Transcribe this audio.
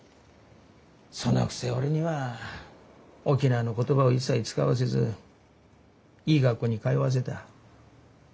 そのくせ俺には沖縄の言葉を一切使わせずいい学校に通わせた。